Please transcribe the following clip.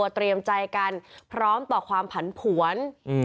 เตรียมใจกันพร้อมต่อความผันผวน